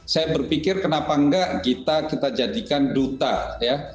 saya berpikir kenapa enggak kita jadikan duta ya